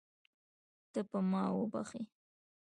ته به ما وبښې.